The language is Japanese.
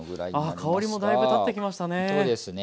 あ香りもだいぶ立ってきましたね。